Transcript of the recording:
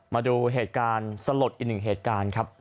มาดูเหตุการณ์สลดอีกหนึ่งเหตุการณ์ครับ